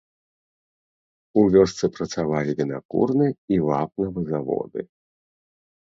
У вёсцы працавалі вінакурны і вапнавы заводы.